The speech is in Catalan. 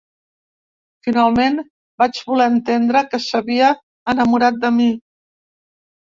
Finalment, vaig voler entendre que s'havia enamorat de mi.